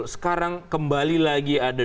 sekarang kembali lagi ada